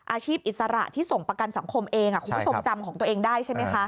อิสระที่ส่งประกันสังคมเองคุณผู้ชมจำของตัวเองได้ใช่ไหมคะ